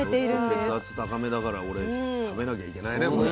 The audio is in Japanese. ちょっと血圧高めだから俺食べなきゃいけないねこれ。